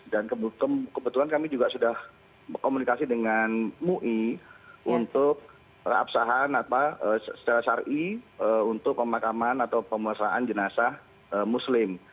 dan kebetulan kami juga sudah berkomunikasi dengan mui untuk perabsahan secara syari'i untuk pemakaman atau pemuasaan jenazah ini